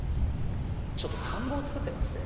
ちょっと田んぼを作ってまして。